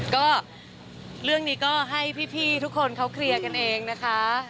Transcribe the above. ก็เรื่องนี้ก็ให้พี่ทุกคนเขาเคลียร์กันเองนะคะ